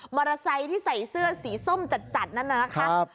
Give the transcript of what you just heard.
มรสัยที่ใส่เสื้อสีส้มจัดจัดนั่นนะครับครับ